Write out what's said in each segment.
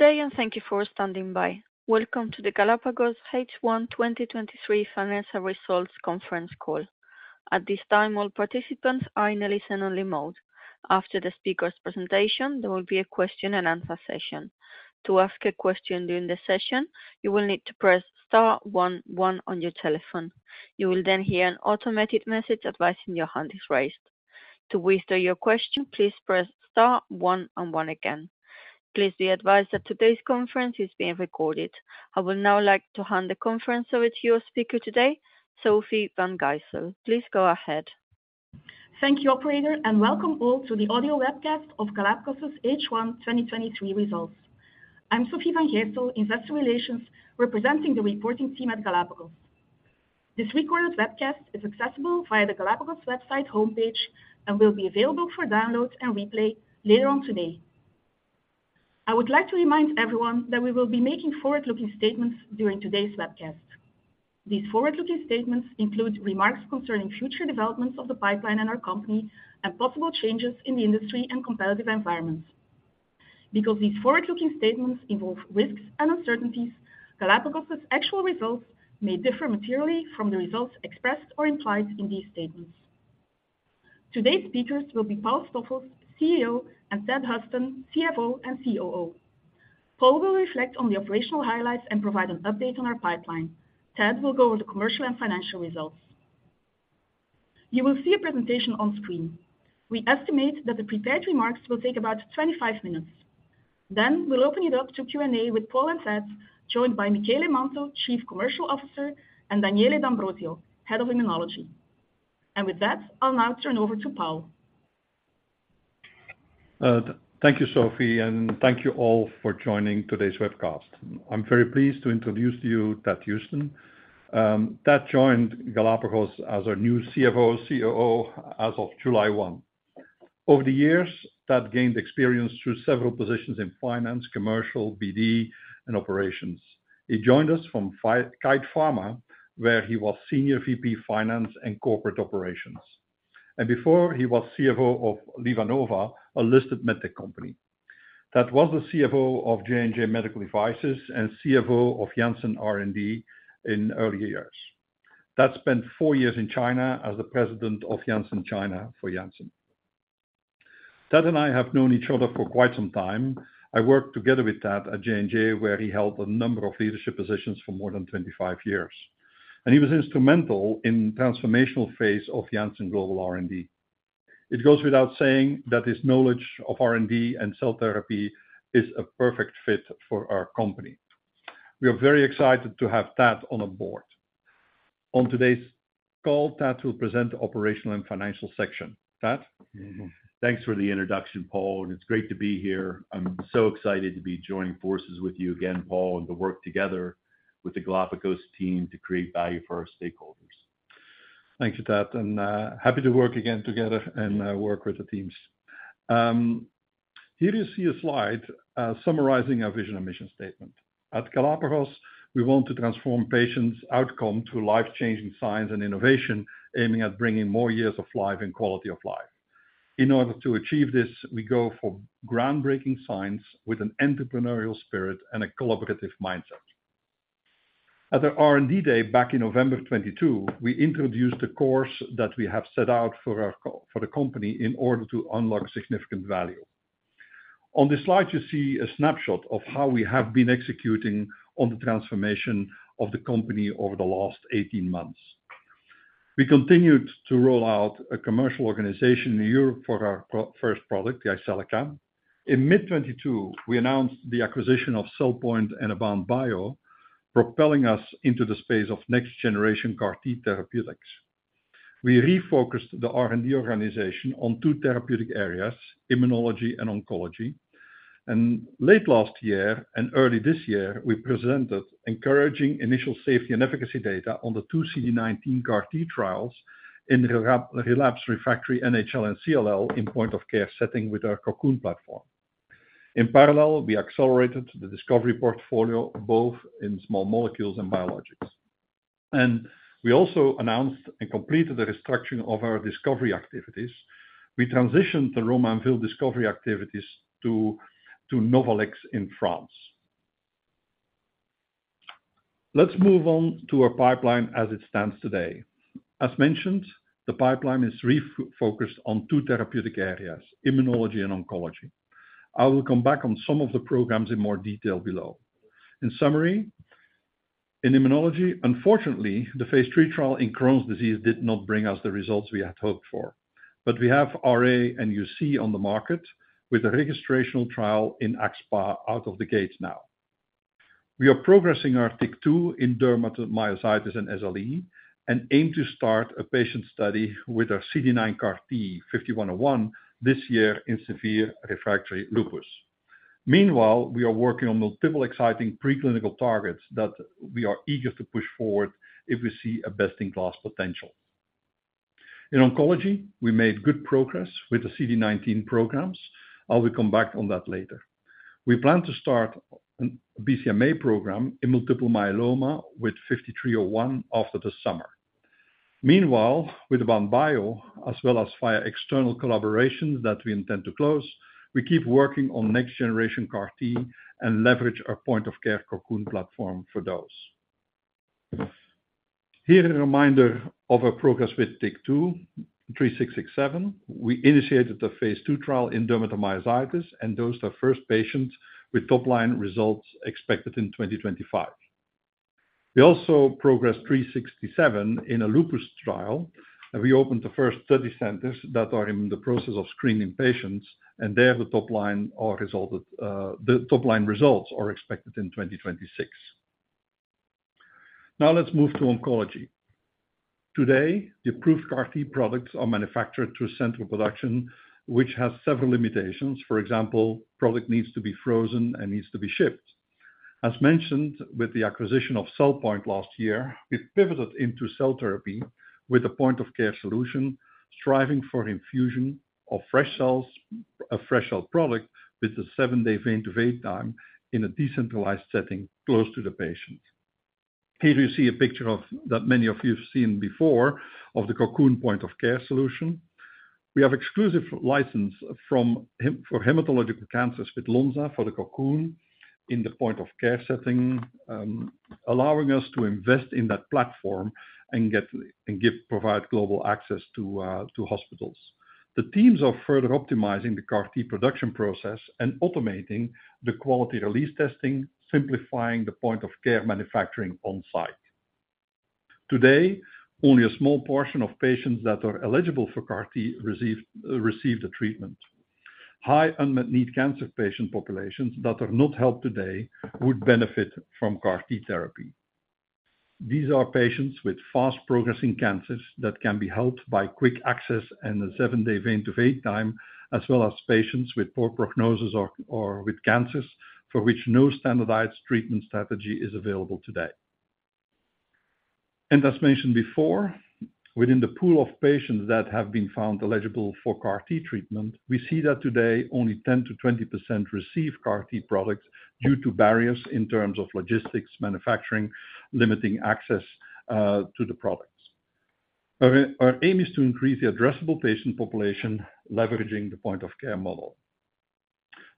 Good day. Thank you for standing by. Welcome to the Galapagos H1 2023 Financial Results Conference Call. At this time, all participants are in a listen-only mode. After the speaker's presentation, there will be a question and answer session. To ask a question during the session, you will need to press star 1, 1 on your telephone. You will then hear an automated message advising your hand is raised. To withdraw your question, please press star 1 and 1 again. Please be advised that today's conference is being recorded. I would now like to hand the conference over to your speaker today, Sofie Van Gysel. Please go ahead. Thank you, operator, and welcome all to the audio webcast of Galapagos' H1.2023 results. I'm Sofie Van Gysel, Investor Relations, representing the reporting team at Galapagos. This recorded webcast is accessible via the Galapagos website homepage and will be available for download and replay later on today. I would like to remind everyone that we will be making forward-looking statements during today's webcast. These forward-looking statements include remarks concerning future developments of the pipeline and our company and possible changes in the industry and competitive environments. Because these forward-looking statements involve risks and uncertainties, Galapagos's actual results may differ materially from the results expressed or implied in these statements. Today's speakers will be Paul Stoffels, CEO, and Thad Huston, CFO and COO. Paul will reflect on the operational highlights and provide an update on our pipeline. Thad will go over the commercial and financial results. You will see a presentation on screen. We estimate that the prepared remarks will take about 25 minutes. Then we'll open it up to Q&A with Paul and Thad, joined by Michele Manto, Chief Commercial Officer, and Daniele D'Ambrosio, Head of Immunology. With that, I'll now turn over to Paul. Thank you, Sofie, and thank you all for joining today's webcast. I'm very pleased to introduce to you Thad Huston. Thad joined Galapagos as our new CFO, COO, as of July 1. Over the years, Thad gained experience through several positions in finance, commercial, BD, and operations. He joined us from Kite Pharma, where he was Senior VP, Finance and Corporate Operations. Before, he was CFO of LivaNova, a listed medtech company. Thad was the CFO of J&J Medical Devices and CFO of Janssen R&D in earlier years. Thad spent 4 years in China as the President of Janssen China for Janssen. Thad and I have known each other for quite some time. I worked together with Thad at J&J, where he held a number of leadership positions for more than 25 years, and he was instrumental in transformational phase of Janssen Global R&D. It goes without saying that his knowledge of R&D and cell therapy is a perfect fit for our company. We are very excited to have Thad on a board. On today's call, Thad will present the operational and financial section. Thad? Thanks for the introduction, Paul, and it's great to be here. I'm so excited to be joining forces with you again, Paul, and to work together with the Galapagos team to create value for our stakeholders. Thank you, Thad, and happy to work again together and work with the teams. Here you see a slide summarizing our vision and mission statement. At Galapagos, we want to transform patients' outcome to life-changing science and innovation, aiming at bringing more years of life and quality of life. In order to achieve this, we go for groundbreaking science with an entrepreneurial spirit and a collaborative mindset. At the R&D Day, back in November 2022, we introduced the course that we have set out for the company in order to unlock significant value. On this slide, you see a snapshot of how we have been executing on the transformation of the company over the last 18 months. We continued to roll out a commercial organization in Europe for our first product, the Jyseleca. In mid-2022, we announced the acquisition of CellPoint and AboundBio, propelling us into the space of next-generation CAR T therapeutics. We refocused the R&D organization on two therapeutic areas, immunology and oncology. Late last year and early this year, we presented encouraging initial safety and efficacy data on the two CD19 CAR-T trials in relapse/refractory NHL and CLL in point-of-care setting with our Cocoon platform. In parallel, we accelerated the discovery portfolio, both in small molecules and biologics. We also announced and completed the restructuring of our discovery activities. We transitioned the Romainville discovery activities to NovAliX in France. Let's move on to our pipeline as it stands today. As mentioned, the pipeline is focused on two therapeutic areas, immunology and oncology. I will come back on some of the programs in more detail below. In summary, in immunology, unfortunately, the phase III trial in Crohn's disease did not bring us the results we had hoped for, but we have RA and UC on the market with a registrational trial in axSpA out of the gate now. We are progressing our TYK2 in dermatomyositis and SLE, and aim to start a patient study with our CD19 CAR-T GLPG5101 this year in severe refractory lupus. Meanwhile, we are working on multiple exciting preclinical targets that we are eager to push forward if we see a best-in-class potential. In oncology, we made good progress with the CD19 programs. I will come back on that later. We plan to start an BCMA program in multiple myeloma with GLPG5301 after the summer. Meanwhile, with AboundBio as well as via external collaborations that we intend to close, we keep working on next generation CAR T and leverage our point of care Cocoon platform for those. Here, a reminder of our progress with TYK2 GLPG3667. We initiated the phase 2 trial in dermatomyositis, those are first patients with top line results expected in 2025. We also progressed 3667 in a lupus trial, we opened the first study centers that are in the process of screening patients, there the top line results are expected in 2026. Now let's move to oncology. Today, the approved CAR T products are manufactured through central production, which has several limitations. For example, product needs to be frozen and needs to be shipped. As mentioned, with the acquisition of CellPoint last year, we pivoted into cell therapy with a point of care solution, striving for infusion of fresh cells, a fresh cell product with a 7-day vein to vein time in a decentralized setting, close to the patient. Here you see a picture of, that many of you've seen before, of the Cocoon point of care solution. We have exclusive license for hematological cancers with Lonza, for the Cocoon in the point of care setting, allowing us to invest in that platform and provide global access to hospitals. The teams are further optimizing the CAR T production process and automating the quality release testing, simplifying the point of care manufacturing on-site. Today, only a small portion of patients that are eligible for CAR T receive the treatment. High unmet need cancer patient populations that are not helped today would benefit from CAR T therapy. These are patients with fast progressing cancers that can be helped by quick access and a seven-day vein to vein time, as well as patients with poor prognosis or with cancers for which no standardized treatment strategy is available today. As mentioned before, within the pool of patients that have been found eligible for CAR T treatment, we see that today only 10%-20% receive CAR T products due to barriers in terms of logistics, manufacturing, limiting access to the products. Our aim is to increase the addressable patient population, leveraging the point of care model.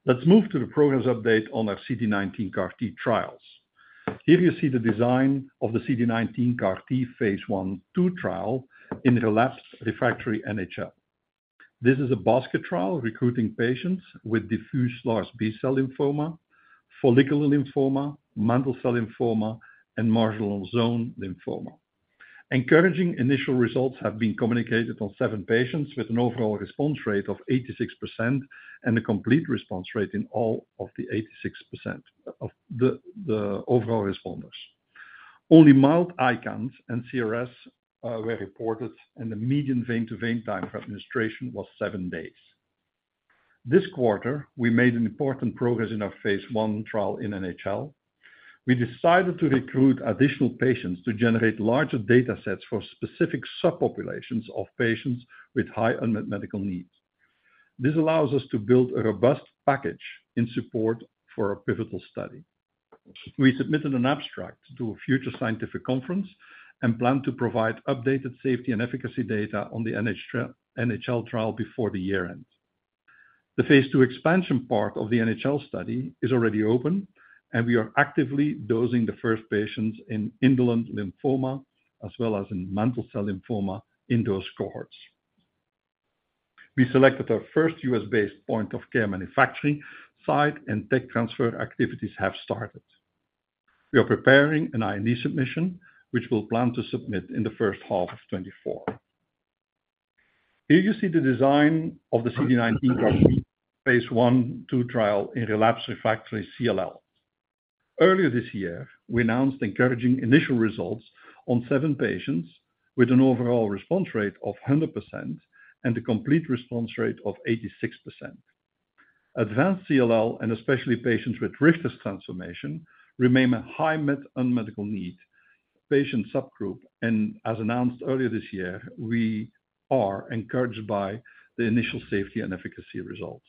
Let's move to the progress update on our CD19 CAR T trials. Here you see the design of the CD19 CAR T phase I/II trial in relapsed refractory NHL. This is a basket trial recruiting patients with diffuse large B-cell lymphoma, follicular lymphoma, mantle cell lymphoma, and marginal zone lymphoma. Encouraging initial results have been communicated on seven patients with an overall response rate of 86% and a complete response rate in all of the 86% of the overall responders. Only mild ICANS and CRS were reported, and the median vein to vein time for administration was seven days. This quarter, we made an important progress in our phase 1 trial in NHL. We decided to recruit additional patients to generate larger datasets for specific subpopulations of patients with high unmet medical needs. This allows us to build a robust package in support for a pivotal study. We submitted an abstract to a future scientific conference and plan to provide updated safety and efficacy data on the NHL trial before the year ends. The phase II expansion part of the NHL study is already open, and we are actively dosing the first patients in indolent lymphoma as well as in mantle cell lymphoma in those cohorts. We selected our first US-based point-of-care manufacturing site, and tech transfer activities have started. We are preparing an IND submission, which we'll plan to submit in the first half of 2024. Here you see the design of the CD19 CAR T phase one, two trial in relapse refractory CLL. Earlier this year, we announced encouraging initial results on seven patients with an overall response rate of 100% and a complete response rate of 86%. Advanced CLL, and especially patients with Richter's transformation, remain a high unmet medical need patient subgroup, and as announced earlier this year, we are encouraged by the initial safety and efficacy results.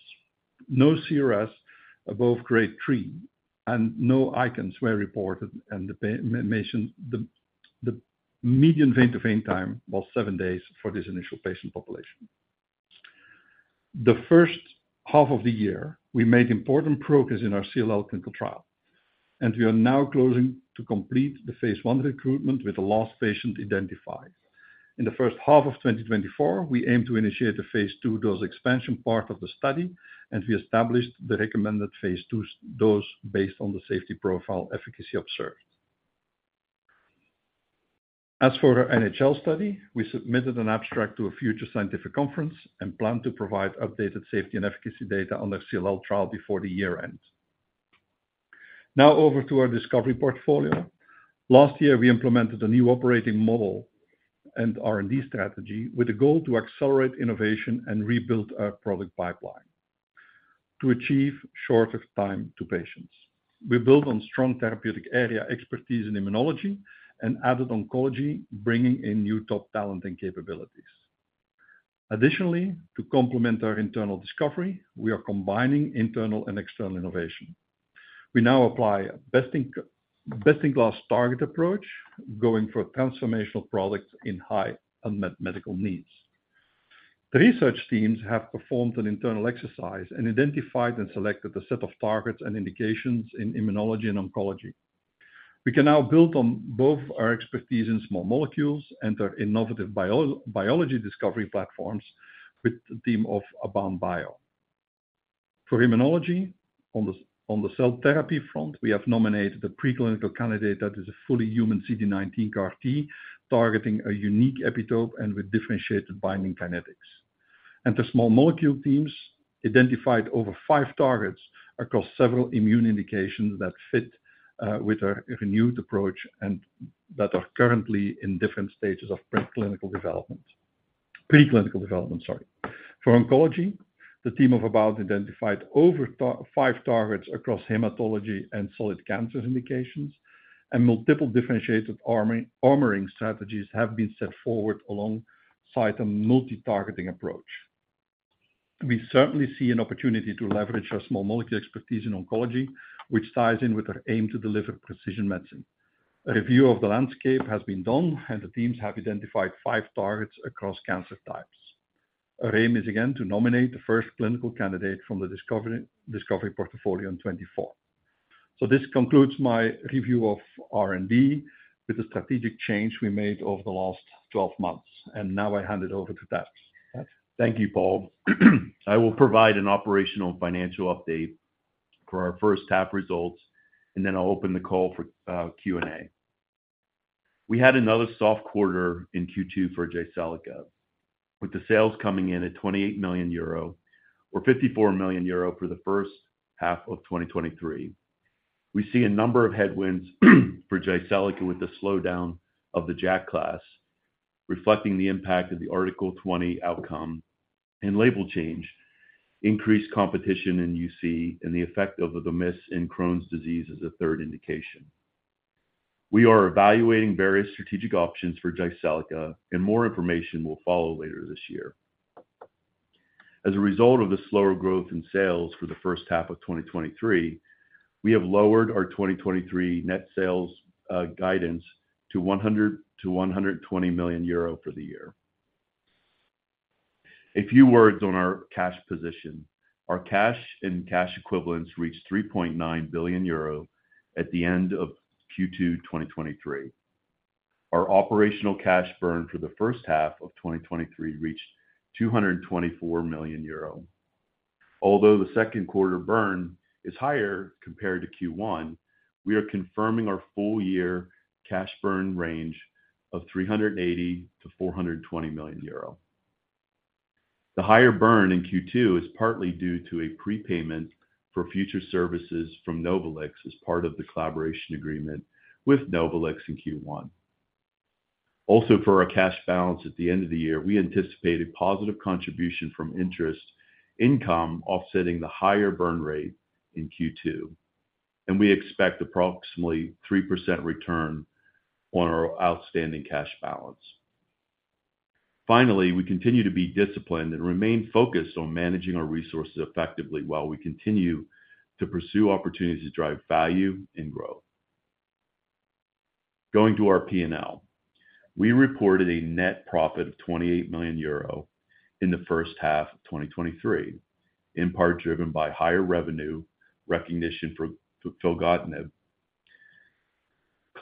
No CRS above grade three and no ICANS were reported, and the mention, the, the median vein to vein time was 7 days for this initial patient population. The first half of the year, we made important progress in our CLL clinical trial, and we are now closing to complete the phase one recruitment with the last patient identified. In the first half of 2024, we aim to initiate a phase two dose expansion part of the study, and we established the recommended phase two s, dose based on the safety profile efficacy observed. As for our NHL study, we submitted an abstract to a future scientific conference and plan to provide updated safety and efficacy data on the CLL trial before the year ends. Over to our discovery portfolio. Last year, we implemented a new operating model and R&D strategy with a goal to accelerate innovation and rebuild our product pipeline to achieve shorter time to patients. We build on strong therapeutic area expertise in immunology and added oncology, bringing in new top talent and capabilities. Additionally, to complement our internal discovery, we are combining internal and external innovation. We now apply best-in-class target approach, going for transformational products in high unmet medical needs. The research teams have performed an internal exercise and identified and selected a set of targets and indications in immunology and oncology. We can now build on both our expertise in small molecules and our innovative biology discovery platforms with the team of AboundBio. For immunology, on the, on the cell therapy front, we have nominated a preclinical candidate that is a fully human CD19 CAR-T, targeting a unique epitope and with differentiated binding kinetics. The small molecule teams identified over five targets across several immune indications that fit with our renewed approach and that are currently in different stages of preclinical development, sorry. For oncology, the team of Abound identified over five targets across hematology and solid cancer indications, and multiple differentiated armoring strategies have been set forward alongside a multi-targeting approach. We certainly see an opportunity to leverage our small molecule expertise in oncology, which ties in with our aim to deliver precision medicine. A review of the landscape has been done, and the teams have identified five targets across cancer types. Our aim is, again, to nominate the first clinical candidate from the discovery, discovery portfolio in 2024. This concludes my review of R&D with the strategic change we made over the last 12 months. Now I hand it over to Thad. Thad? Thank you, Paul. I will provide an operational financial update for our first half results, then I'll open the call for Q&A. We had another soft quarter in Q2 for Jyseleca, with the sales coming in at 28 million euro, or 54 million euro for the first half of 2023. We see a number of headwinds for Jyseleca with the slowdown of the JAK class, reflecting the impact of the Article 20 outcome and label change, increased competition in UC, the effect of the Vemis in Crohn's disease as a third indication. We are evaluating various strategic options for Jyseleca, more information will follow later this year. As a result of the slower growth in sales for the first half of 2023, we have lowered our 2023 net sales guidance to 100 million-120 million euro for the year. A few words on our cash position. Our cash and cash equivalents reached 3.9 billion euro at the end of Q2 2023. Our operational cash burn for the first half of 2023 reached 224 million euro. Although the second quarter burn is higher compared to Q1, we are confirming our full-year cash burn range of 380 million-420 million euro. The higher burn in Q2 is partly due to a prepayment for future services from NovAliX as part of the collaboration agreement with NovAliX in Q1. For our cash balance at the end of the year, we anticipated positive contribution from interest income offsetting the higher burn rate in Q2, and we expect approximately 3% return on our outstanding cash balance. We continue to be disciplined and remain focused on managing our resources effectively while we continue to pursue opportunities to drive value and growth. Going to our P&L, we reported a net profit of 28 million euro in the first half of 2023, in part driven by higher revenue recognition for filgotinib.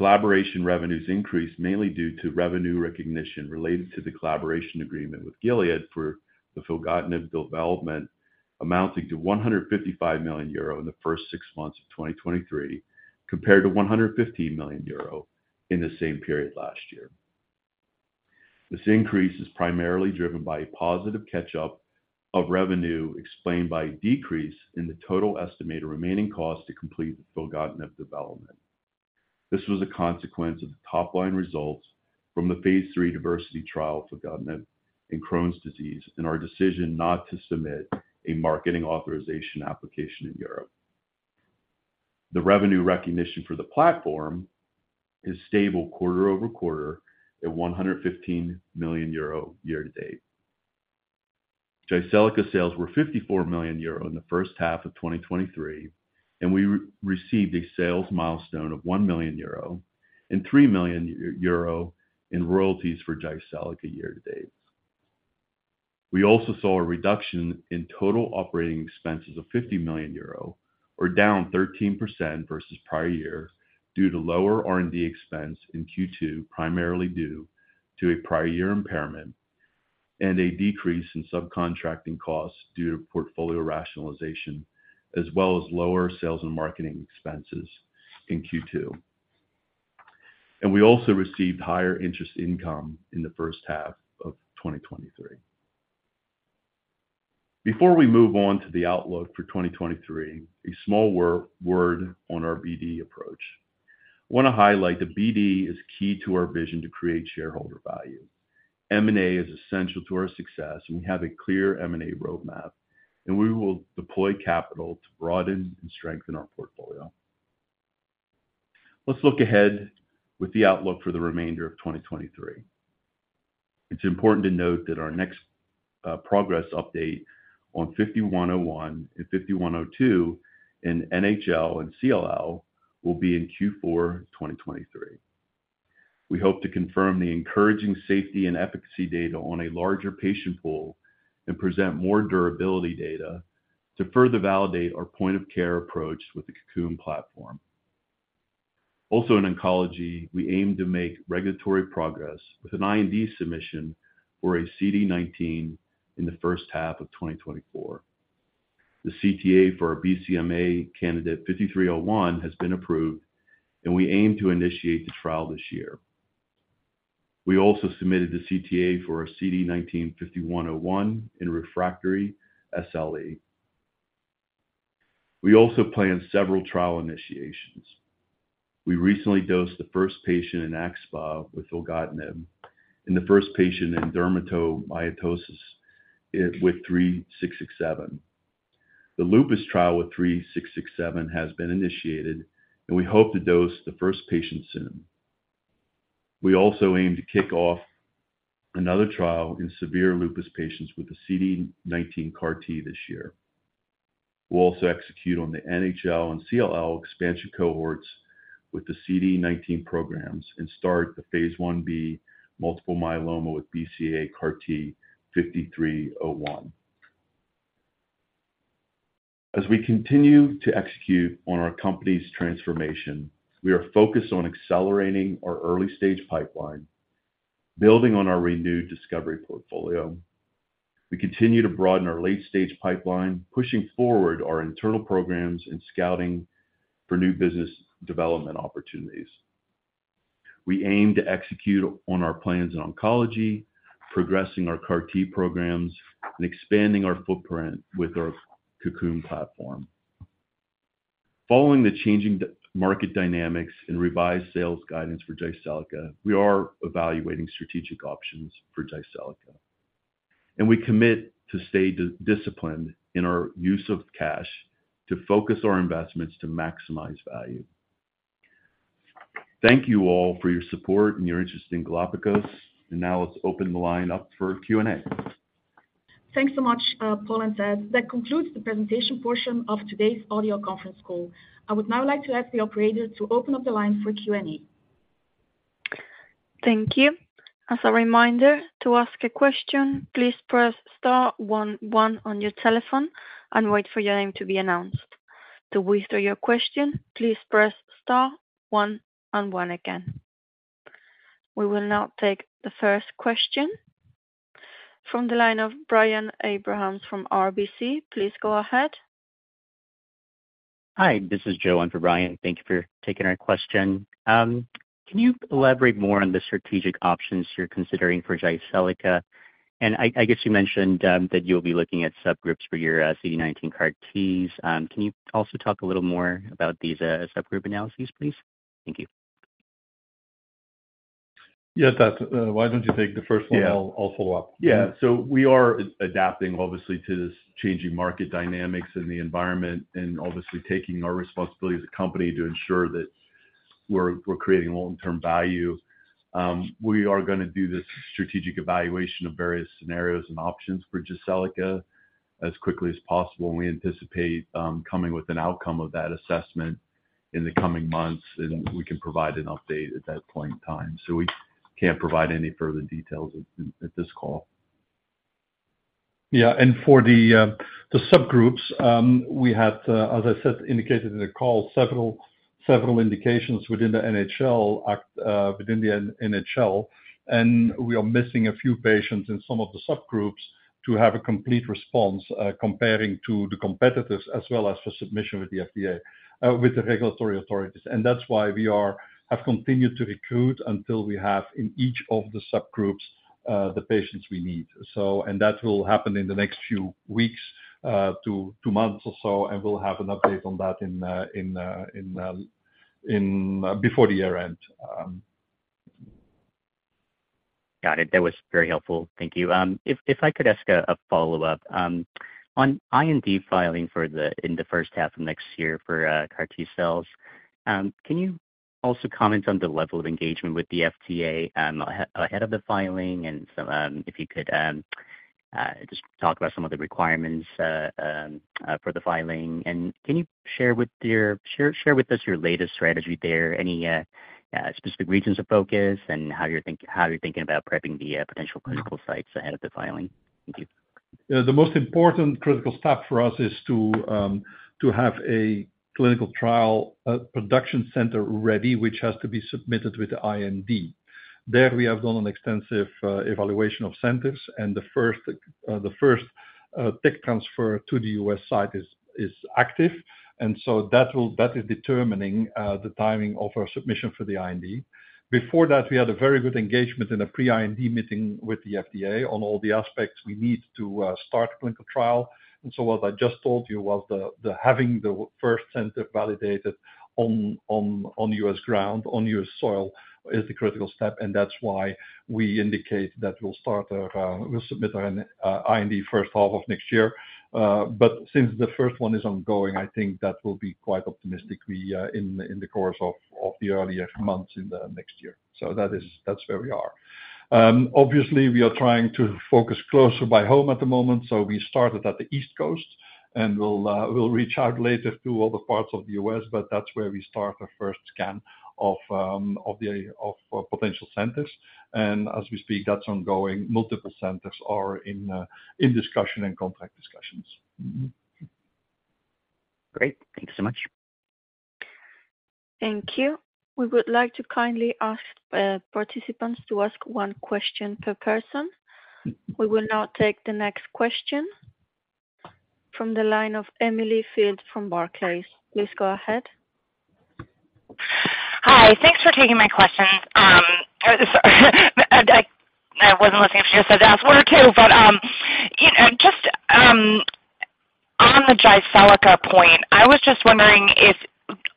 Collaboration revenues increased mainly due to revenue recognition related to the collaboration agreement with Gilead for the filgotinib development, amounting to 155 million euro in the first six months of 2023, compared to 115 million euro in the same period last year. This increase is primarily driven by a positive catch-up of revenue, explained by a decrease in the total estimated remaining cost to complete the filgotinib development. This was a consequence of the top-line results from the phase III DIVERSITY trial, filgotinib in Crohn's disease, and our decision not to submit a marketing authorization application in Europe. The revenue recognition for the platform is stable quarter-over-quarter at 115 million euro year to date. Jyseleca sales were 54 million euro in the first half of 2023, and we received a sales milestone of 1 million euro and 3 million euro in royalties for Jyseleca year to date. We also saw a reduction in total operating expenses of 50 million euro, or down 13% versus prior year, due to lower R&D expense in Q2, primarily due to a prior year impairment and a decrease in subcontracting costs due to portfolio rationalization, as well as lower sales and marketing expenses in Q2. We also received higher interest income in the first half of 2023. Before we move on to the outlook for 2023, a small word on our BD approach. I want to highlight that BD is key to our vision to create shareholder value. M&A is essential to our success, and we have a clear M&A roadmap, and we will deploy capital to broaden and strengthen our portfolio. Let's look ahead with the outlook for the remainder of 2023. It's important to note that our next progress update on GLPG5101 and GLPG5102 in NHL and CLL will be in Q4 2023. We hope to confirm the encouraging safety and efficacy data on a larger patient pool and present more durability data to further validate our point of care approach with the Cocoon platform. In oncology, we aim to make regulatory progress with an IND submission for a CD19 in the first half of 2024. The CTA for our BCMA candidate GLPG5301 has been approved, and we aim to initiate the trial this year. We also submitted the CTA for our CD19 GLPG5101 in refractory SLE. We also plan several trial initiations. We recently dosed the first patient in axSpA with filgotinib, and the first patient in dermatomyositis with GLPG3667. The lupus trial with GLPG3667 has been initiated, and we hope to dose the first patient soon. We also aim to kick off another trial in severe lupus patients with the CD19 CAR-T this year. We'll also execute on the NHL and CLL expansion cohorts with the CD19 programs and start the phase 1B multiple myeloma with BCMA CAR-T GLPG5301. We continue to execute on our company's transformation, we are focused on accelerating our early-stage pipeline, building on our renewed discovery portfolio. We continue to broaden our late-stage pipeline, pushing forward our internal programs and scouting for new business development opportunities. We aim to execute on our plans in oncology, progressing our CAR-T programs, and expanding our footprint with our Cocoon platform. Following the changing market dynamics and revised sales guidance for Jyseleca, we are evaluating strategic options for Jyseleca, and we commit to stay disciplined in our use of cash to focus our investments to maximize value. Thank you all for your support and your interest in Galapagos. Now let's open the line up for Q&A. Thanks so much, Paul and Thad. That concludes the presentation portion of today's audio conference call. I would now like to ask the operator to open up the line for Q&A. Thank you. As a reminder, to ask a question, please press star 11 on your telephone and wait for your name to be announced. To withdraw your question, please press star 1 and 1 again. We will now take the first question from the line of Brian Abrahams from RBC. Please go ahead. Hi, this is Joe in for Brian. Thank you for taking our question. Can you elaborate more on the strategic options you're considering for Jyseleca? And I, I guess you mentioned that you'll be looking at subgroups for your CD19 CAR-Ts. Can you also talk a little more about these subgroup analyses, please? Thank you. Yes, that's... Why don't you take the first one? Yeah. I'll, I'll follow up. Yeah. We are adapting, obviously, to this changing market dynamics in the environment and obviously taking our responsibility as a company to ensure that we're, we're creating long-term value. We are gonna do this strategic evaluation of various scenarios and options for Jyseleca as quickly as possible. We anticipate coming with an outcome of that assessment in the coming months, and we can provide an update at that point in time. We can't provide any further details at, at this call. Yeah, for the subgroups, we had, as I said, indicated in the call, several, several indications within the NHL, within the NHL, and we are missing a few patients in some of the subgroups to have a complete response, comparing to the competitors as well as for submission with the FDA, with the regulatory authorities. That's why we have continued to recruit until we have in each of the subgroups, the patients we need. That will happen in the next few weeks to 2 months or so, and we'll have an update on that before the year end. Got it. That was very helpful. Thank you. If I could ask a follow-up on IND filing for the first half of next year for CAR T cells, can you also comment on the level of engagement with the FDA ahead of the filing? So, if you could just talk about some of the requirements for the filing. Can you share with us your latest strategy there, any specific regions of focus and how you're thinking about prepping the potential clinical sites ahead of the filing? Thank you. Yeah, the most important critical step for us is to have a clinical trial production center ready, which has to be submitted with the IND. There, we have done an extensive evaluation of centers, the first tech transfer to the U.S. site is active, and that is determining the timing of our submission for the IND. Before that, we had a very good engagement in a pre-IND meeting with the FDA on all the aspects we need to start clinical trial. What I just told you was the having the first center validated on U.S. ground, on U.S. soil, is the critical step, and that's why we indicate that we'll start our, we'll submit our IND first half of next year. Since the first one is ongoing, I think that will be quite optimistic. We, in, in the course of, of the earlier months in the next year. That's where we are. Obviously, we are trying to focus closer by home at the moment, so we started at the East Coast.... and we'll, we'll reach out later to all the parts of the US, but that's where we start our first scan of, of the, of potential centers. As we speak, that's ongoing. Multiple centers are in discussion and contract discussions. Mm-hmm. Great. Thank you so much. Thank you. We would like to kindly ask participants to ask one question per person. We will now take the next question from the line of Emily Field from Barclays. Please go ahead. Hi. Thanks for taking my questions. Sorry, I, I wasn't listening if you said ask 1 or 2, but, you know, just on the Jyseleca point, I was just wondering if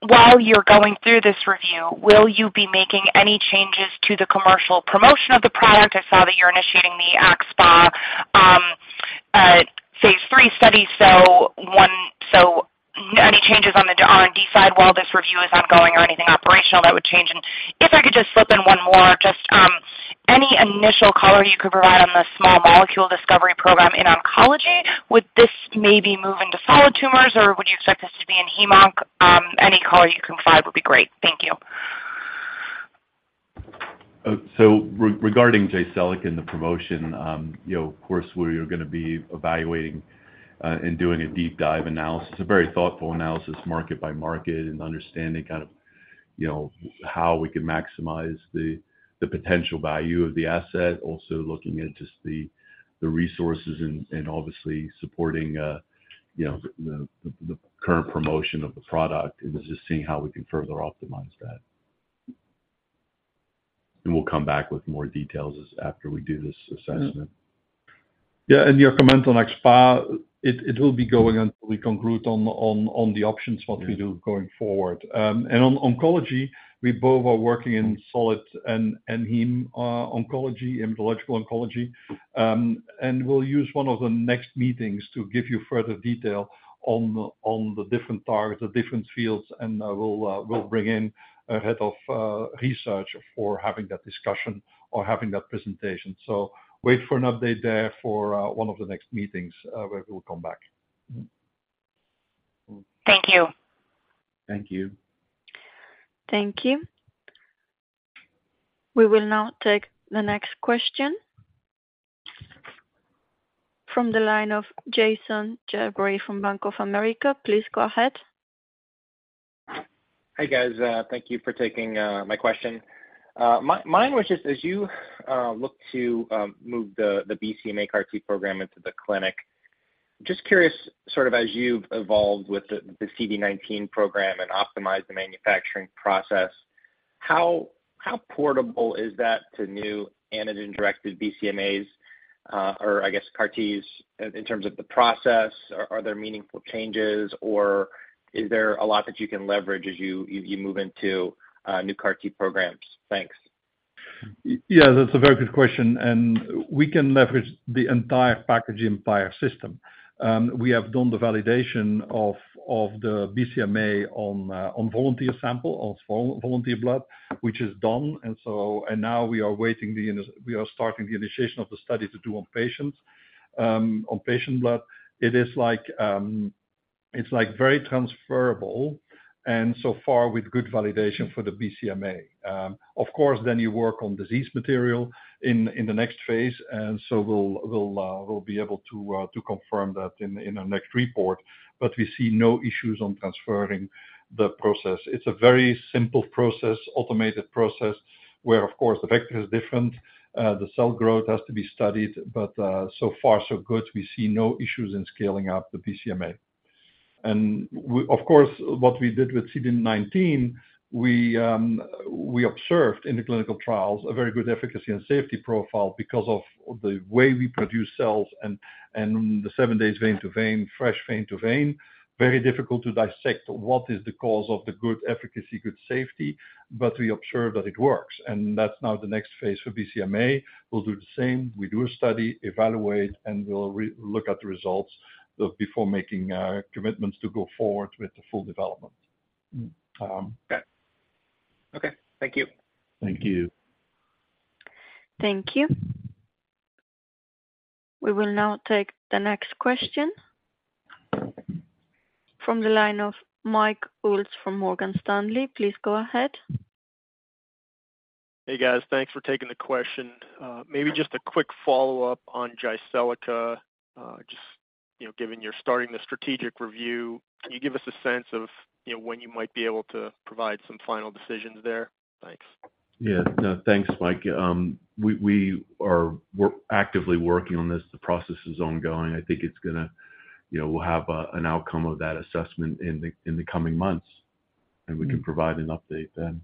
while you're going through this review, will you be making any changes to the commercial promotion of the product? I saw that you're initiating the axSpA phase 3 study, so any changes on the R&D side while this review is ongoing or anything operational that would change? If I could just slip in 1 more, just any initial color you could provide on the small molecule discovery program in oncology, would this maybe move into solid tumors, or would you expect this to be in hemonc? Any color you can provide would be great. Thank you. Regarding Jyseleca and the promotion, you know, of course, we are gonna be evaluating, and doing a deep dive analysis, a very thoughtful analysis, market by market, and understanding kind of, you know, how we can maximize the, the potential value of the asset. Also, looking at just the, the resources and, and obviously supporting, you know, the, the current promotion of the product, and just seeing how we can further optimize that. We'll come back with more details as after we do this assessment. Yeah, your comment on axSpA, it will be going until we conclude on the options, what we do going forward. On oncology, we both are working in solid and heme oncology, immunological oncology. We'll use one of the next meetings to give you further detail on the different targets, the different fields, and we'll bring in a head of research for having that discussion or having that presentation. Wait for an update there for one of the next meetings where we'll come back. Thank you. Thank you. Thank you. We will now take the next question. From the line of Jason Gerberry from Bank of America. Please go ahead. Hi, guys, thank you for taking my question. Mine was just as you look to move the BCMA CAR-T program into the clinic, just curious, sort of as you've evolved with the CD19 program and optimized the manufacturing process, how portable is that to new antigen-directed BCMAs, or I guess, CAR-Ts, in terms of the process, are there meaningful changes, or is there a lot that you can leverage as you move into new CAR-T programs? Thanks. Yeah, that's a very good question, and we can leverage the entire packaging, entire system. We have done the validation of the BCMA on volunteer sample, on volunteer blood, which is done. Now we are starting the initiation of the study to do on patients, on patient blood. It is like, it's like very transferable and so far with good validation for the BCMA. Of course, then you work on disease material in the next phase. We'll be able to confirm that in our next report. We see no issues on transferring the process. It's a very simple process, automated process, where, of course, the vector is different. The cell growth has to be studied. So far so good. We see no issues in scaling up the BCMA. Of course, what we did with CD19, we observed in the clinical trials a very good efficacy and safety profile because of the way we produce cells and the seven days vein to vein, fresh vein to vein. Very difficult to dissect what is the cause of the good efficacy, good safety, but we observe that it works, and that's now the next phase for BCMA. We'll do the same. We do a study, evaluate, and we'll look at the results before making commitments to go forward with the full development. Okay. Okay. Thank you. Thank you. Thank you. We will now take the next question. From the line of Mike Ulz from Morgan Stanley. Please go ahead. Hey, guys. Thanks for taking the question. Maybe just a quick follow-up on Jyseleca. Just, you know, given you're starting the strategic review, can you give us a sense of, you know, when you might be able to provide some final decisions there? Thanks. Yeah. No, thanks, Mike. We, we are, we're actively working on this. The process is ongoing. I think it's gonna, you know, we'll have an outcome of that assessment in the, in the coming months, and we can provide an update then.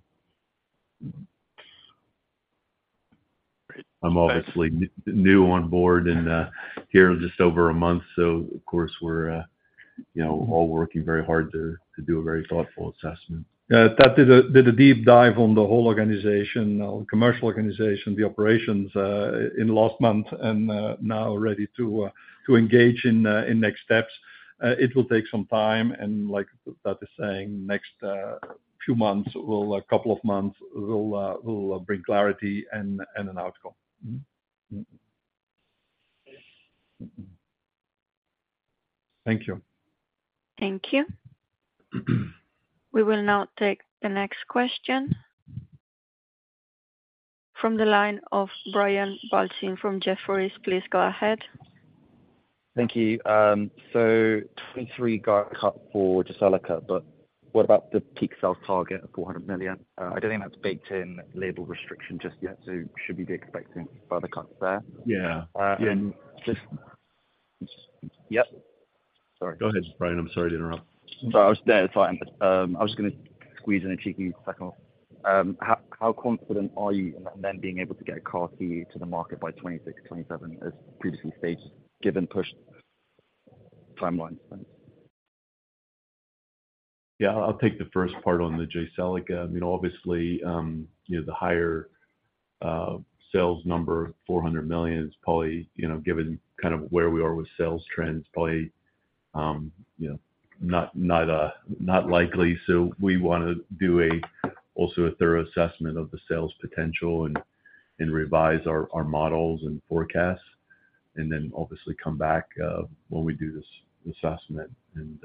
Great. I'm obviously new on board and here just over a month. Of course, we're, you know, all working very hard to do a very thoughtful assessment. Yeah, that did a, did a deep dive on the whole organization, commercial organization, the operations, in last month and now ready to engage in next steps. It will take some time, and like Thad is saying, next few months, a couple of months, we'll we'll bring clarity and and an outcome. Mm-hmm. Mm.... Thank you. Thank you. We will now take the next question. From the line of Brian Balchin from Jefferies, please go ahead. Thank you. 23 guide cut for Jyseleca, but what about the peak sales target of 400 million? I don't think that's baked in label restriction just yet, so should we be expecting further cuts there? Yeah. Yep. Sorry. Go ahead, Brian. I'm sorry to interrupt. Sorry, I was, yeah, it's fine. I was just gonna squeeze in a cheeky second one. How, how confident are you in then being able to get CAR-T to the market by 2026, 2027, as previously stated, given pushed timelines? Yeah, I'll take the first part on the Jyseleca. I mean, obviously, you know, the higher sales number, $400 million, is probably, you know, given kind of where we are with sales trends, probably, you know, not, not, not likely. We want to do also a thorough assessment of the sales potential and, and revise our, our models and forecasts, and then obviously come back when we do this assessment and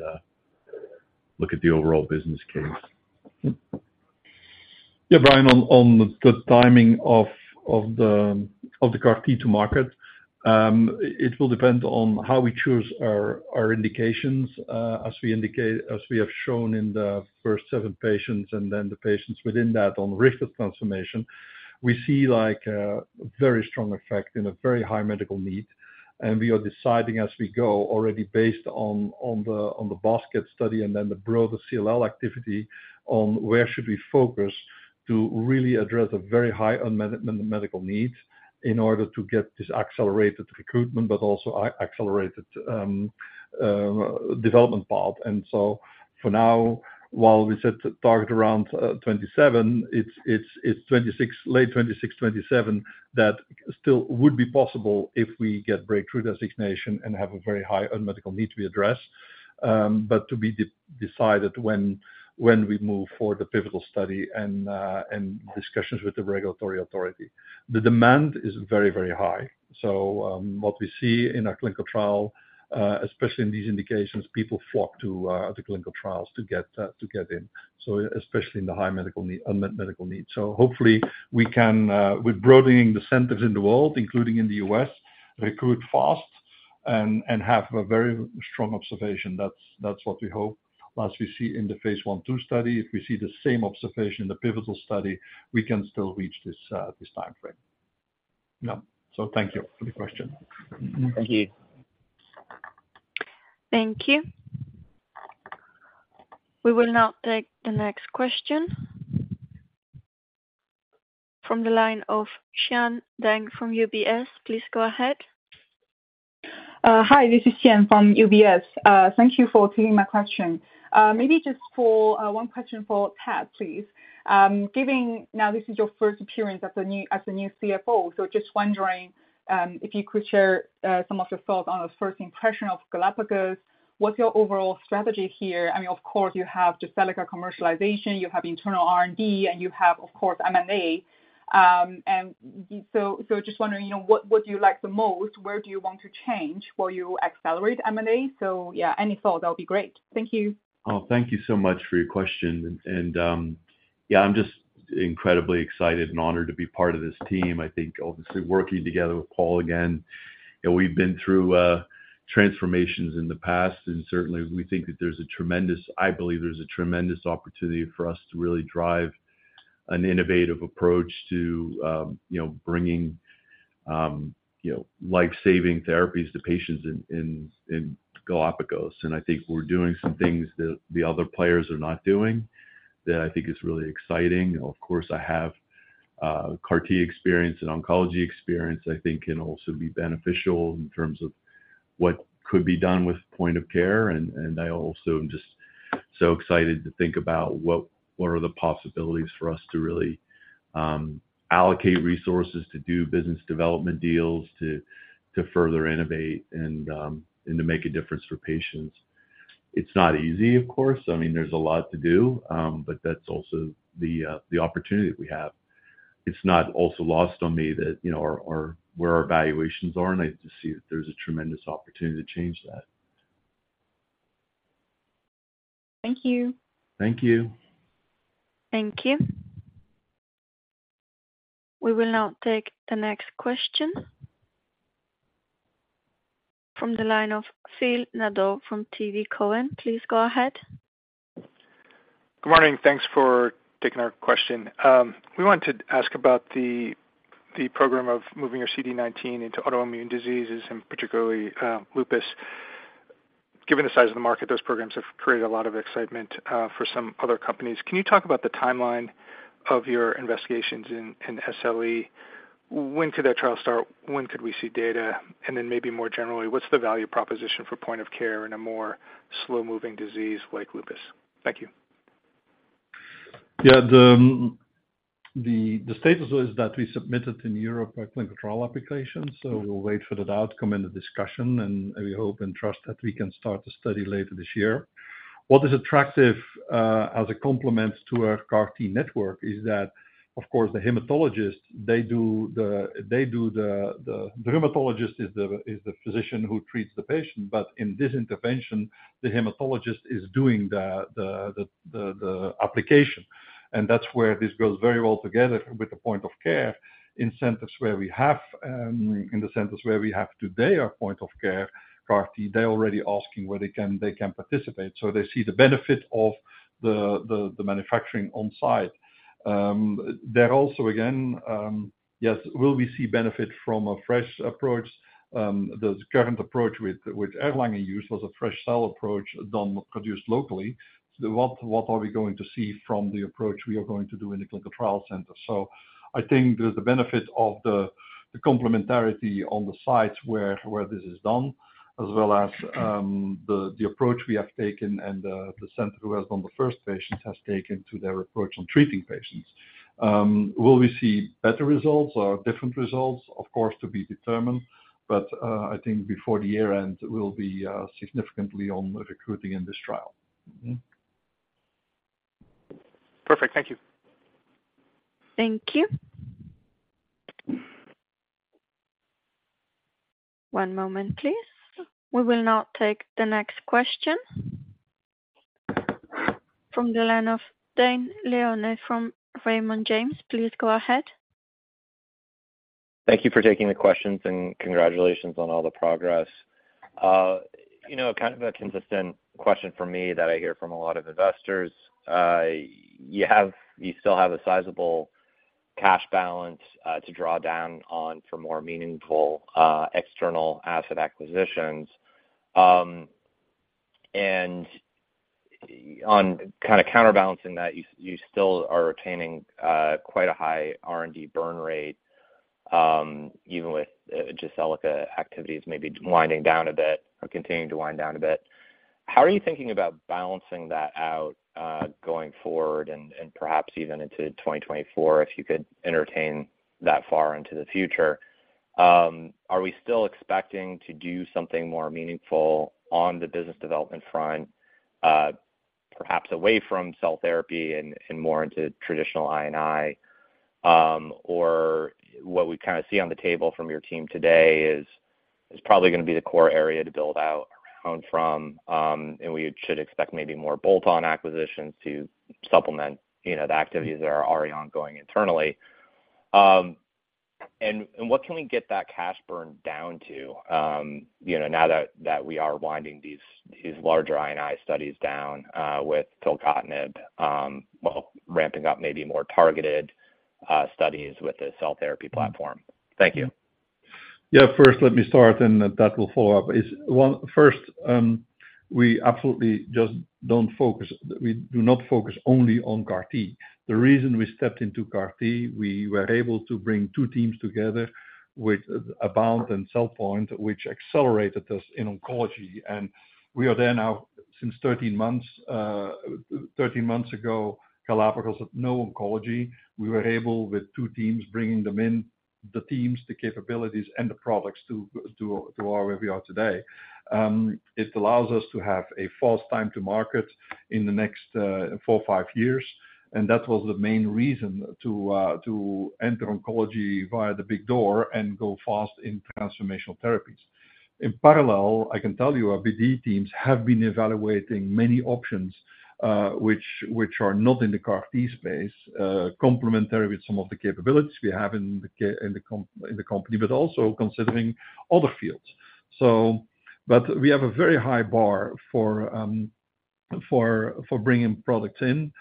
look at the overall business case. Yeah, Brian, on, on the timing of, of the, of the CAR-T to market, it will depend on how we choose our, our indications, as we indicate -- as we have shown in the first seven patients and then the patients within that on risk of transformation. We see, like, a very strong effect and a very high medical need, and we are deciding as we go, already based on, on the, on the basket study and then the broader CLL activity, on where should we focus to really address a very high unmet medical needs in order to get this accelerated recruitment, but also accelerated development path. For now, while we set the target around 27, it's, it's, it's 26, late 26, 27, that still would be possible if we get breakthrough designation and have a very high unmet medical need to be addressed. To be decided when we move for the pivotal study and discussions with the regulatory authority. The demand is very, very high. What we see in our clinical trial, especially in these indications, people flock to the clinical trials to get to get in, especially in the high medical need, unmet medical needs. Hopefully we can, with broadening the centers in the world, including in the U.S., recruit fast and have a very strong observation. That's, that's what we hope. As we see in the phase 1, 2 study, if we see the same observation in the pivotal study, we can still reach this, this timeframe. Yeah. Thank you for the question. Thank you. Thank you. We will now take the next question. From the line of Xian Deng from UBS. Please go ahead. Hi, this is Xian from UBS. Thank you for taking my question. Maybe just for 1 question for Thad, please. Now, this is your first appearance as the new, as the new CFO, so just wondering, if you could share, some of your thoughts on the first impression of Galapagos. What's your overall strategy here? I mean, of course, you have Jyseleca commercialization, you have internal R&D, and you have, of course, M&A. So, so just wondering, you know, what, what do you like the most? Where do you want to change? Will you accelerate M&A? Yeah, any thoughts, that'll be great. Thank you. Oh, thank you so much for your question. Yeah, I'm just incredibly excited and honored to be part of this team. I think obviously working together with Paul again, we've been through transformations in the past, and certainly we think that there's a tremendous... I believe there's a tremendous opportunity for us to really drive an innovative approach to, you know, bringing, you know, life-saving therapies to patients in, in, in Galapagos. I think we're doing some things that the other players are not doing, that I think is really exciting. Of course, I have CAR-T experience and oncology experience, I think can also be beneficial in terms of what could be done with point of care. I also am just so excited to think about what, what are the possibilities for us to really, allocate resources, to do business development deals, to, to further innovate and to make a difference for patients. It's not easy, of course. I mean, there's a lot to do, but that's also the, the opportunity that we have. It's not also lost on me that, you know, our, our, where our valuations are. I just see that there's a tremendous opportunity to change that. Thank you. Thank you. Thank you. We will now take the next question. From the line of Phil Nadeau from TD Cowen, please go ahead. Good morning. Thanks for taking our question. We wanted to ask about the, the program of moving your CD19 into autoimmune diseases, particularly, lupus. Given the size of the market, those programs have created a lot of excitement, for some other companies. Can you talk about the timeline of your investigations in, in SLE? When could that trial start? When could we see data? Then maybe more generally, what's the value proposition for point of care in a more slow-moving disease like lupus? Thank you. Yeah, the, the, the status is that we submitted in Europe a clinical trial application, we'll wait for that outcome and the discussion, we hope and trust that we can start the study later this year. What is attractive as a complement to our CAR T network is that, of course, the hematologist, they do the, they do the- the, the hematologist is the, is the physician who treats the patient, in this intervention, the hematologist is doing the, the, the, the, the application. That's where this goes very well together with the point of care in centers where we have, in the centers where we have today, our point of care, CAR T, they're already asking where they can, they can participate. They see the benefit of the, the, the manufacturing on-site. There also, again, yes, will we see benefit from a fresh approach? The current approach with Erlangen use was a fresh cell approach done, produced locally. What, what are we going to see from the approach we are going to do in the clinical trial center? I think there's the benefit of the complementarity on the sites where this is done, as well as the approach we have taken and the center who has on the first patient has taken to their approach on treating patients. Will we see better results or different results? Of course, to be determined, but I think before the year ends, we'll be significantly on recruiting in this trial. Perfect. Thank you. Thank you. One moment, please. We will now take the next question. From the line of Dane Leone from Raymond James. Please go ahead. Thank you for taking the questions, you know, kind of a consistent question for me that I hear from a lot of investors. You still have a sizable cash balance to draw down on for more meaningful external asset acquisitions. On kinda counterbalancing that, you, you still are retaining quite a high R&D burn rate, even with Jyseleca activities maybe winding down a bit or continuing to wind down a bit. How are you thinking about balancing that out going forward and, and perhaps even into 2024, if you could entertain that far into the future? Are we still expecting to do something more meaningful on the business development front, perhaps away from cell therapy and, and more into traditional I&I? What we kinda see on the table from your team today is probably gonna be the core area to build out around from, and we should expect maybe more bolt-on acquisitions to supplement, you know, the activities that are already ongoing internally. What can we get that cash burn down to, you know, now that we are winding these larger I&I studies down, with filgotinib, while ramping up maybe more targeted studies with the cell therapy platform? Thank you. Yeah, first, let me start, and that will follow up. Is one, first, we absolutely just don't focus-- we do not focus only on CAR-T. The reason we stepped into CAR-T, we were able to bring two teams together with Abound and CellPoint, which accelerated us in oncology, and we are there now since 13 months. 13 months ago, Galapagos had no oncology. We were able, with two teams, bringing them in, the teams, the capabilities and the products to, to, to where we are today. It allows us to have a fast time to market in the next, 4-5 years, and that was the main reason to, to enter oncology via the big door and go fast in transformational therapies. In parallel, I can tell you our BD teams have been evaluating many options, which are not in the CAR T space, complementary with some of the capabilities we have in the company, but also considering other fields. But we have a very high bar for bringing products in.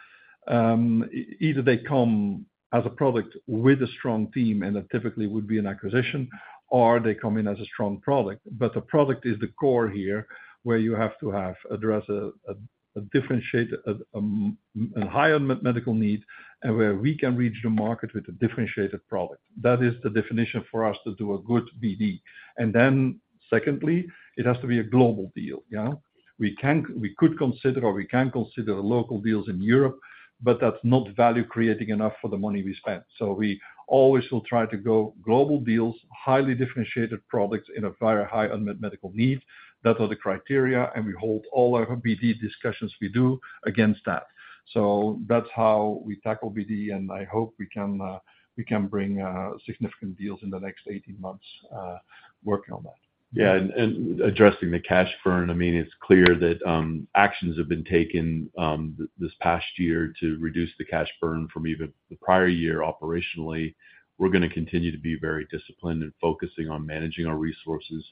Either they come as a product with a strong team, and that typically would be an acquisition, or they come in as a strong product. The product is the core here, where you have to have, address a differentiated, a high unmet medical need, and where we can reach the market with a differentiated product. That is the definition for us to do a good BD. Then secondly, it has to be a global deal, yeah. We could consider or we can consider local deals in Europe, but that's not value-creating enough for the money we spent. We always will try to go global deals, highly differentiated products in a very high unmet medical needs. That are the criteria, and we hold all our BD discussions we do against that. That's how we tackle BD, and I hope we can bring significant deals in the next 18 months, working on that. Yeah, and addressing the cash burn, I mean, it's clear that actions have been taken, this past year to reduce the cash burn from even the prior year operationally. We're gonna continue to be very disciplined in focusing on managing our resources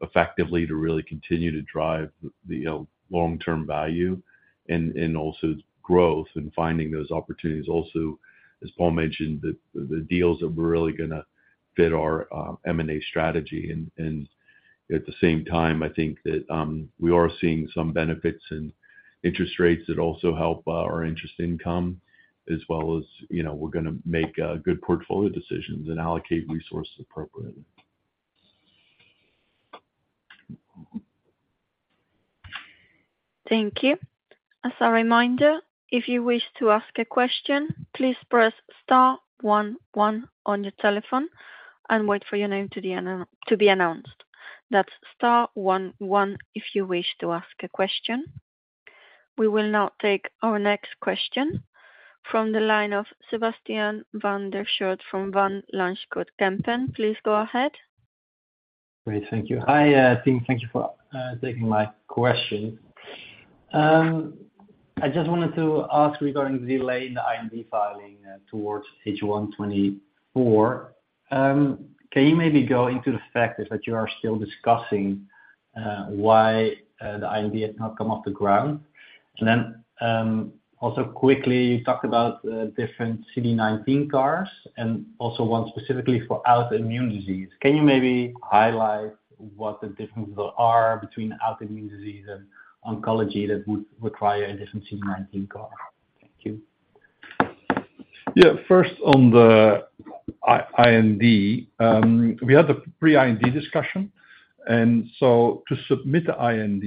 effectively to really continue to drive the, you know, long-term value and, and also growth and finding those opportunities. Also, as Paul mentioned, the, the deals are really gonna fit our M&A strategy. At the same time, I think that we are seeing some benefits in interest rates that also help our interest income, as well as, you know, we're gonna make good portfolio decisions and allocate resources appropriately. Thank you. As a reminder, if you wish to ask a question, please press star 11 on your telephone. Wait for your name to be announced. That's star 11, if you wish to ask a question. We will now take our next question from the line of Sebastiaan van der Schoot from Van Lanschot Kempen. Please go ahead. Great. Thank you. Hi, team. Thank you for taking my question. I just wanted to ask regarding the delay in the IND filing towards H1 2024, can you maybe go into the factors that you are still discussing, why, the IND has not come off the ground? Also quickly talk about the different CD19 CARs, and also one specifically for autoimmune disease. Can you maybe highlight what the differences are between autoimmune disease and oncology that would require a different CD19 CAR? Thank you. Yeah, first on the IND, we had a pre-IND discussion, and so to submit the IND,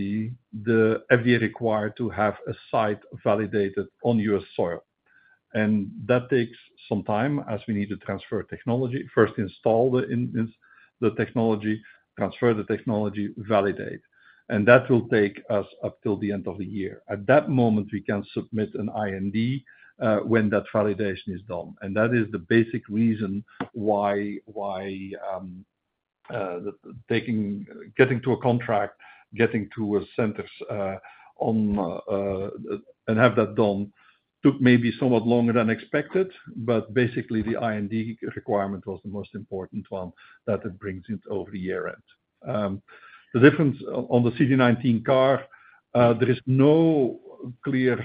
the FDA required to have a site validated on US soil. That takes some time as we need to transfer technology, first, install the technology, transfer the technology, validate. That will take us up till the end of the year. At that moment, we can submit an IND, when that validation is done, and that is the basic reason why, why, getting to a contract, getting to a centers, on, and have that done, took maybe somewhat longer than expected, but basically the IND requirement was the most important one, that it brings it over the year-end. The difference on the CD19 CAR, there is no clear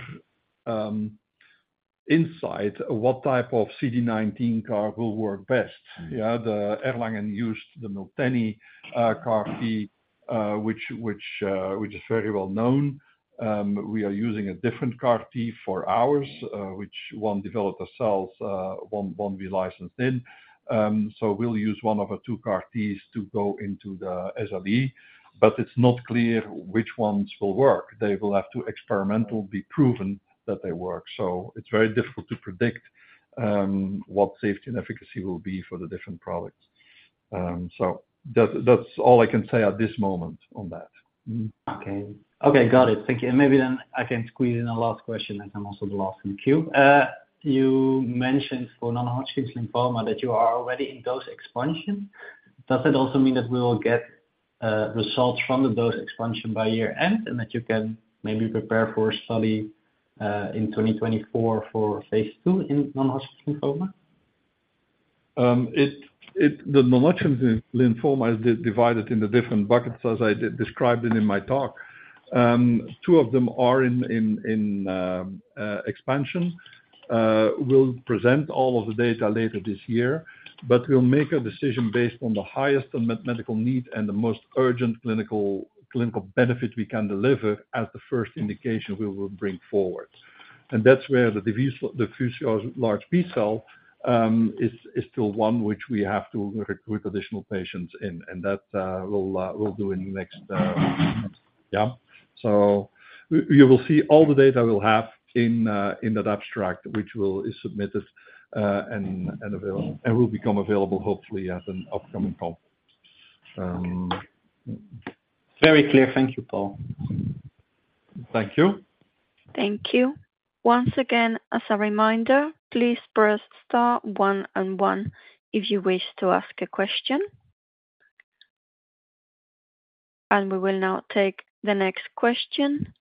insight what type of CD19 CAR will work best. Yeah, the Erlangen used the Miltenyi CAR T, which is very well known. We are using a different CAR T for ours, which one developer cells, one we licensed in. We'll use one of our two CAR Ts to go into the SRE, but it's not clear which ones will work. They will have to experimentally be proven that they work. It's very difficult to predict what safety and efficacy will be for the different products. That's, that's all I can say at this moment on that. Okay. Okay, got it. Thank you. Maybe then I can squeeze in a last question, and I'm also the last in queue. You mentioned for non-Hodgkin lymphoma, that you are already in dose expansion. Does it also mean that we will get results from the dose expansion by year-end, and that you can maybe prepare for a study in 2024 for phase II in non-Hodgkin lymphoma? It, it, the non-Hodgkin lymphoma is divided into different buckets, as I described it in my talk. Two of them are in, in, in, expansion. We'll present all of the data later this year, but we'll make a decision based on the highest med- medical need and the most urgent clinical, clinical benefit we can deliver as the first indication we will bring forward. That's where the diffuse large B-cell is, is still one which we have to recruit additional patients in, and that we'll, we'll do in the next. Yeah. You will see all the data we'll have in, in that abstract, which will, is submitted, and, and available, and will become available hopefully at an upcoming call. Very clear. Thank you, Paul. Thank you. Thank you. Once again, as a reminder, please press star, one and one if you wish to ask a question. We will now take the next question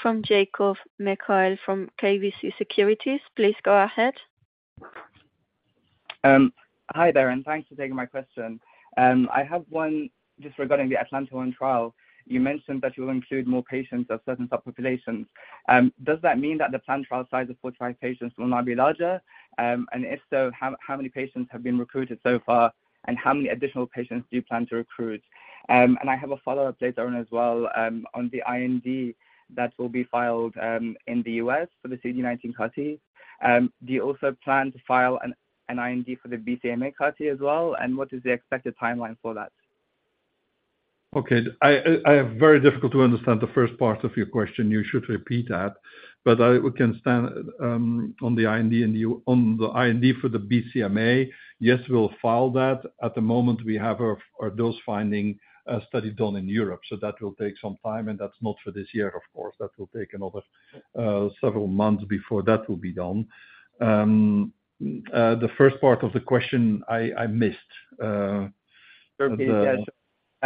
from Jacob Mekhael from KBC Securities. Please go ahead. Hi there, and thanks for taking my question. I have 1 just regarding the ATALANTA-1 trial. You mentioned that you will include more patients of certain subpopulations. Does that mean that the plan trial size of 4 trial patients will now be larger? And if so, how, how many patients have been recruited so far, and how many additional patients do you plan to recruit? And I have a follow-up later on as well, on the IND that will be filed, in the US for the CD19 CAR-T. Do you also plan to file an, an IND for the BCMA CAR-T as well? What is the expected timeline for that? Okay. I, I, I have very difficult to understand the first part of your question. You should repeat that. On the IND for the BCMA, yes, we'll file that. At the moment, we have a dose-finding study done in Europe, so that will take some time, and that's not for this year, of course. That will take another several months before that will be done. The first part of the question I, I missed.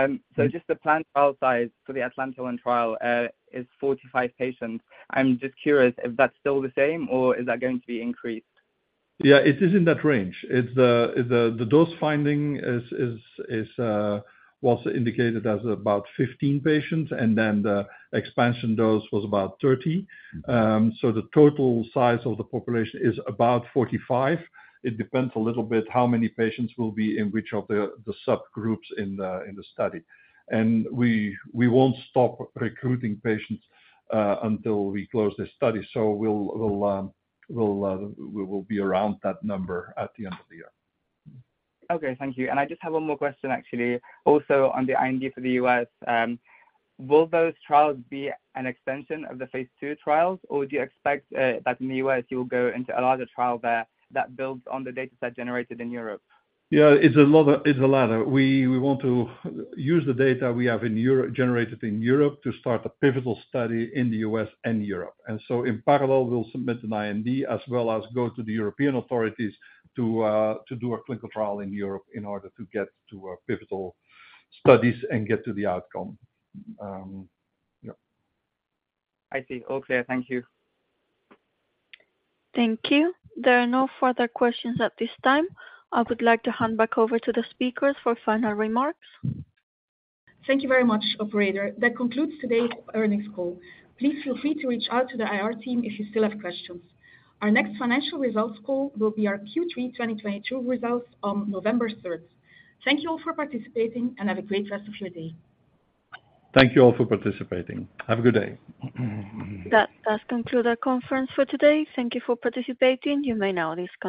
Okay. Yeah, sure. Just the plan file size for the ATALANTA-1 trial is 45 patients. I'm just curious if that's still the same or is that going to be increased? Yeah, it is in that range. It's the, the dose finding is was indicated as about 15 patients, and then the expansion dose was about 30. The total size of the population is about 45. It depends a little bit how many patients will be in which of the, the subgroups in the, in the study. We won't stop recruiting patients until we close this study, so we'll we will be around that number at the end of the year. Okay, thank you. I just have 1 more question, actually. Also, on the IND for the U.S., will those trials be an extension of the phase 2 trials, or do you expect that in the U.S., you will go into a larger trial there that builds on the data set generated in Europe? It's a lot of. We want to use the data we have in Europe, generated in Europe, to start a pivotal study in the US and Europe. In parallel, we'll submit an IND as well as go to the European authorities to do a clinical trial in Europe in order to get to a pivotal studies and get to the outcome. I see. All clear. Thank you. Thank you. There are no further questions at this time. I would like to hand back over to the speakers for final remarks. Thank you very much, operator. That concludes today's earnings call. Please feel free to reach out to the IR team if you still have questions. Our next financial results call will be our Q3 2022 results on November third. Thank you all for participating, and have a great rest of your day. Thank you all for participating. Have a good day. That does conclude our conference for today. Thank you for participating. You may now disconnect.